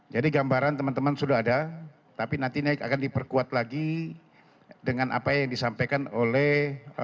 jadi gambaran teman teman sudah ada tapi nanti ini akan diperkuat lagi dengan apa yang disampaikan oleh